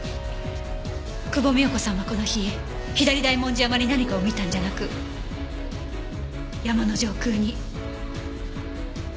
久保美也子さんはこの日左大文字山に何かを見たんじゃなく山の上空にオーロラを見たのかも。